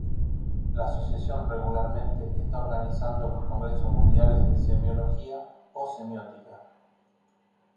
La Asociación regularmente está organizando los congresos mundiales de semiología o semiótica.